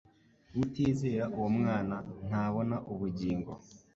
“Utizera uwo Mwana ntabona ubugingo.